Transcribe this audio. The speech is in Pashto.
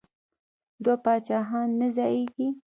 دوه پاچاهان نه ځاییږي.